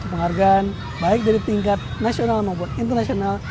dua ratus delapan puluh satu penghargaan baik dari tingkat nasional maupun internasional